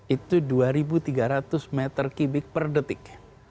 itu dua tiga ratus m tiga per detik